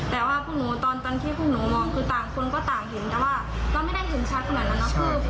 แต่ว่าพวกนู้นสองคนไม่ได้กลัวนะคะคือมันเป็นเหมือนจะมาดูอะไรใช่ค่ะ